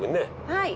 はい。